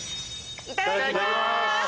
いただきます！